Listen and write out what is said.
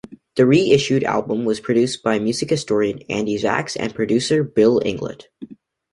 The reissued album was produced by music historian Andy Zax and producer Bill Inglot.